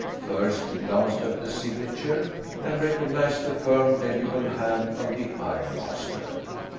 First he glanced at the signature, and recognized the firm, legible hand of the ironmaster.